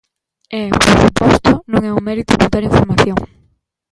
E, por suposto, non é un mérito ocultar información.